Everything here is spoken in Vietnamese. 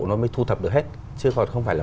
nó mới thu thập được hết chứ còn không phải là